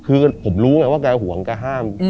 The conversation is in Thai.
คือผมรู้ไงว่าแกห่วงแกห้าม